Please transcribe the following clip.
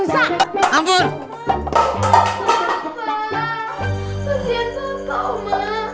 kesian papa om mak